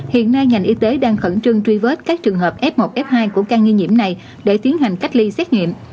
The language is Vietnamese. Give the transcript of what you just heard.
hiện nay ngành y tế đang khẩn trương truy vết các trường hợp f một f hai của ca nghi nhiễm này để tiến hành cách ly xét nghiệm